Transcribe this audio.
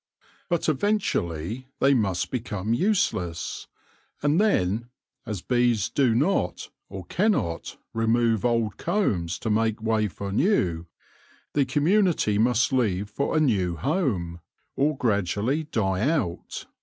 But eventually they must become useless ; and then, as bees do not, or cannot, remove old combs to make way for new, the community must leave for a new home, or gradually die out.